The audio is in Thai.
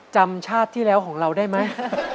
ชาติที่แล้วของเราได้ไหม